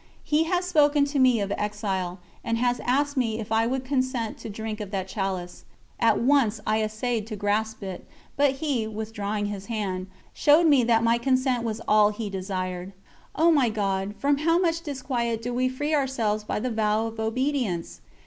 He has spoken to me of exile, and has asked me if I would consent to drink of that chalice. At once I essayed to grasp it, but He, withdrawing His Hand, showed me that my consent was all He desired. O my God! from how much disquiet do we free ourselves by the vow of obedience!